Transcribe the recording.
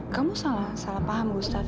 kamu salah salah paham ustadz